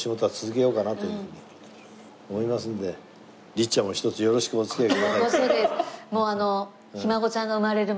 律ちゃんも一つよろしくお付き合いください。